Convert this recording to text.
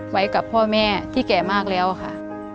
ไว้กับพ่อแม่ที่แก่มากแล้วค่ะ